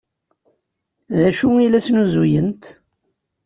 D acu ay la snuzuyent?